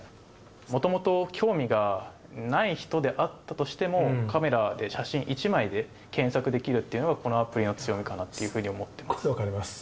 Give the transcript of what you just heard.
もともと興味がない人であったとしても、カメラで写真１枚で検索できるっていうのが、このアプリの強みかすっごい分かります。